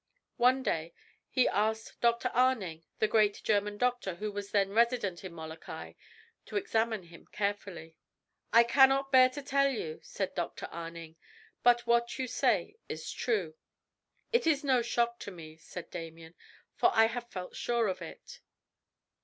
One day he asked Dr. Arning, the great German doctor who was then resident in Molokai, to examine him carefully. "I cannot bear to tell you," said Dr. Arning, "but what you say is true." "It is no shock to me," said Damien, "for I have felt sure of it."